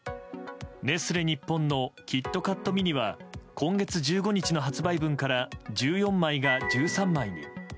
ネスレ日本のキットカットミニは今月の発売分から１４枚が１３枚に。